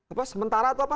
apa sementara atau apa